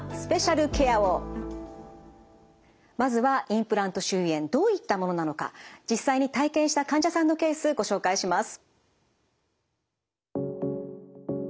まずはインプラント周囲炎どういったものなのか実際に体験した患者さんのケースご紹介します。